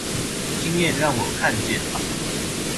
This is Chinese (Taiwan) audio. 經驗讓我看見